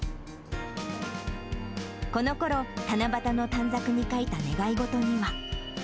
このころ、七夕の短冊に書いた願い事には。